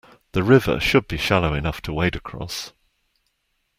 The river should be shallow enough to wade across.